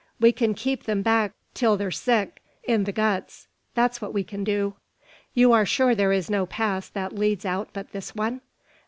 We kin keep them back till thur sick i' the guts; that's what we kin do." "You are sure there is no pass that leads out but this one?"